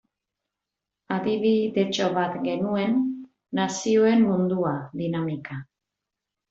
Adibidetxo bat genuen, Nazioen Mundua dinamika.